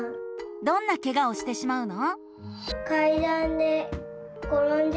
どんなケガをしてしまうの？